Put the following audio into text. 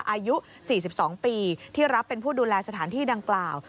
อายุ๔๒ปีที่รับเป็นผู้ดูแลสถานที่ดังกล่าว